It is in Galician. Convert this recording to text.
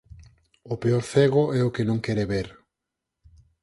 O peor cego é o que non quere ver